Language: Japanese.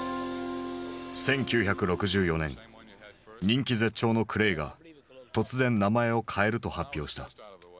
人気絶頂のクレイが突然名前を変えると発表した。